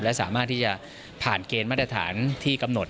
และสามารถที่จะผ่านเกณฑ์มาตรฐานที่กำหนด